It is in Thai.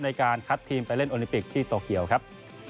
ในการคัดทีมไปเล่นโอลิมปิกที่โตเกียวครับ